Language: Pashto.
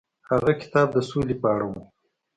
هغه کتاب د سولې په اړه و.